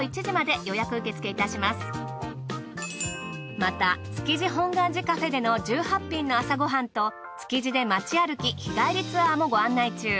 また築地本願寺カフェでの１８品の朝ごはんと築地でまち歩き日帰りツアーもご案内中。